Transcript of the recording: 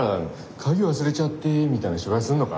「鍵忘れちゃって」みたいな芝居すんのか。